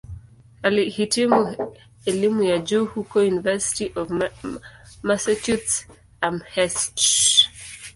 Alihitimu elimu ya juu huko "University of Massachusetts-Amherst".